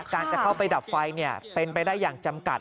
การจะเข้าไปดับไฟเป็นไปได้อย่างจำกัด